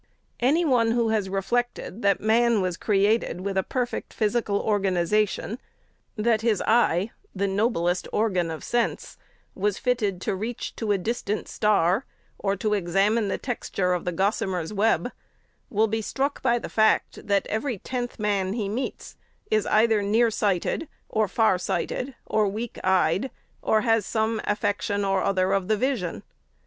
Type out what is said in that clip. Any one who has reflected that man was created with a perfect physical organization — that his eye, the noblest organ of sense, was fitted to reach to a distant star, or to examine the texture of the gossa mer's web, will be struck by the fact that every tenth man he meets is either near sighted, or far sighted, or weak eyed, or has some affection or other of the vision.